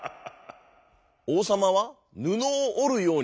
おうさまはぬのをおるようにいいました。